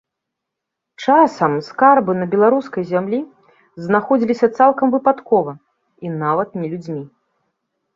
Часам скарбы на беларускай зямлі знаходзіліся цалкам выпадкова, і нават не людзьмі.